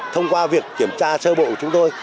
thông qua việc kiểm tra sơ bộ của chúng tôi